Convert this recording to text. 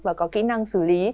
và có kỹ năng xử lý